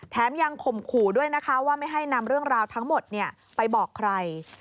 แถมยังข่มขู่ด้วยนะคะว่าไม่ให้นำเรื่องราวทั้งหมดไปบอกใคร